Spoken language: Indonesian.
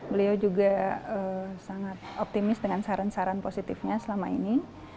beliau juga sangat optimis dengan saran saran positifnya selama ini